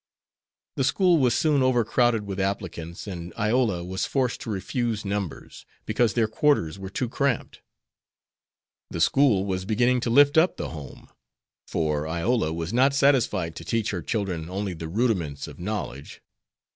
The school was soon overcrowded with applicants, and Iola was forced to refuse numbers, because their quarters were too cramped. The school was beginning to lift up the home, for Iola was not satisfied to teach her children only the rudiments of knowledge.